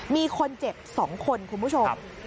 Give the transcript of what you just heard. มีคนเจ็บ๒คนคุณผู้ชม